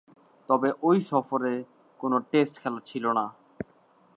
তবে, ঐ সফরে কোন টেস্ট খেলা ছিল না।